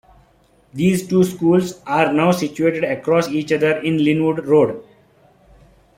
These two schools are now situated across each other in Lynnwood Road.